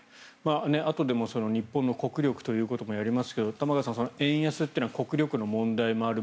あとでも日本の国力ということもやりますけど玉川さん、円安というのは国力の問題もある。